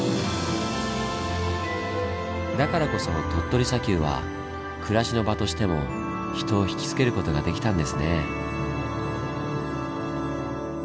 だからこそ鳥取砂丘は暮らしの場としても人をひきつける事ができたんですねぇ。